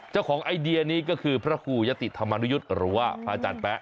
เจ้าของไอเดียก็คือพระคู่ยศธรรมนูยุทธ์หรือว่าพระอาจารย์แป๊ะ